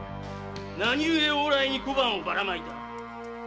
なにゆえ往来に小判をばらまいた？